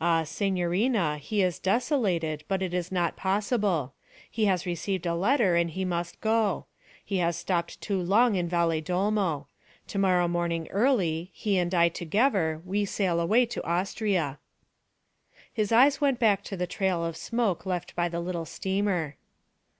'Ah, signorina, he is desolated, but it is not possible. He has received a letter and he must go; he has stopped too long in Valedolmo. To morrow morning early, he and I togever, we sail away to Austria.' His eyes went back to the trail of smoke left by the little steamer.